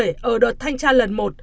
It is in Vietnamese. trong đợt thanh tra lần một